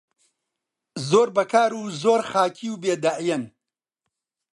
زۆر بەکار و زۆر خاکی و بێدەعیەن